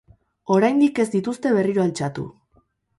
Oraindik ez dituzte berriro altxatu.